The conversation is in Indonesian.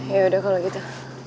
yaudah kalau gitu